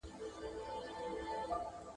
ملا چي څه وايي هغه کوه، چي څه کوي هغه مه کوه.